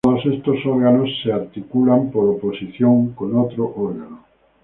Todos estos órganos articulan por oposición con otro órgano.